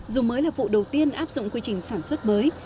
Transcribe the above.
dù mới là vụ đầu tiên áp dụng quy trình sản xuất mới